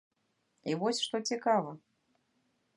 І вось што цікава.